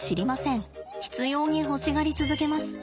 執ように欲しがり続けます。